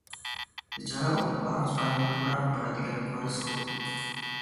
Secara umum orang Spanyol kurang memperhatikan Corisco.